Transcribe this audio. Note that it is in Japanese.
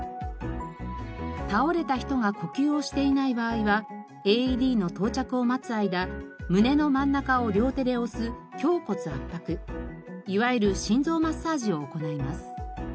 倒れた人が呼吸をしていない場合はＡＥＤの到着を待つ間胸の真ん中を両手で押す胸骨圧迫いわゆる心臓マッサージを行います。